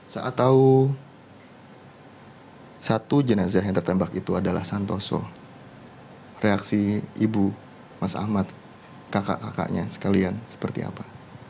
saya tahu satu jenazah yang tertembak itu adalah santoso reaksi ibu mas ahmad kakak kakaknya sekalian seperti apa